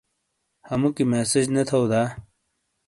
ہموکی مسیج نے تھؤ دا؟